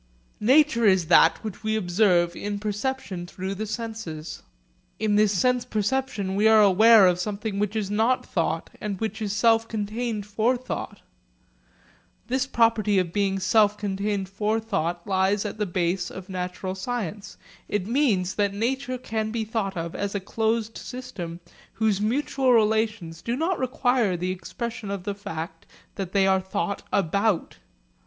Nature is that which we observe in perception through the senses. In this sense perception we are aware of something which is not thought and which is self contained for thought. This property of being self contained for thought lies at the base of natural science. It means that nature can be thought of as a closed system whose mutual relations do not require the expression of the fact that they are thought about.